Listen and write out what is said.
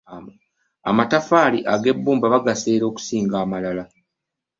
Amatoffaali ge bbumba bagaseera okusinga amalala.